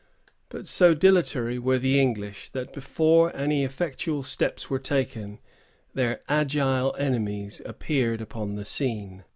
But so dilatory were the English, that before any effectual steps were taken, their agile enemies appeared upon the scene.